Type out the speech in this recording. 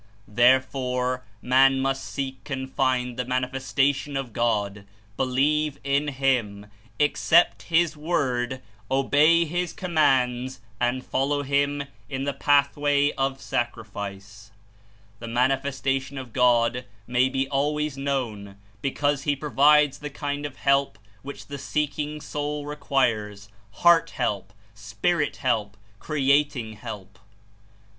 Therefore man must seek and find the Mani festation of God, believe in Him, accept His Word, obey His Commands, and follow Him in the path way of sacrifice. The Manifestation of God may be always known, because He provides the kind of help which the seeking soul requires, heart help, spirit help, creating help.